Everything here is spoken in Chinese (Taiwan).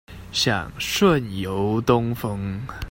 想順遊東峰